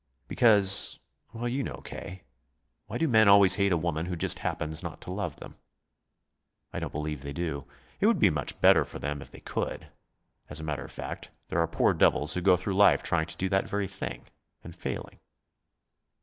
"Because well, you know, K. Why do men always hate a woman who just happens not to love them?" "I don't believe they do. It would be much better for them if they could. As a matter of fact, there are poor devils who go through life trying to do that very thing, and failing."